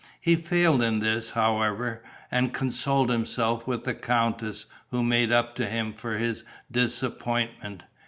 He failed in this, however, and consoled himself with the countess, who made up to him for his disappointment.